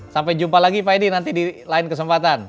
sampai jumpa lagi pak edi nanti di lain kesempatan